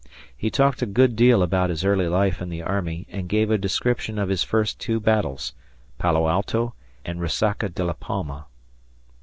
He talked a good deal about his early life in the army and gave a description of his first two battles Palo Alto and Resaca de la Palma.